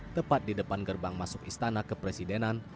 tepat di depan gerbang masuk istana kepresidenan